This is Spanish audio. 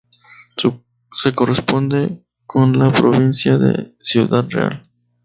Se corresponde con la provincia de Ciudad Real.